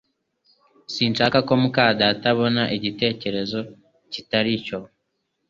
Sinshaka ko muka data abona igitekerezo kitari cyo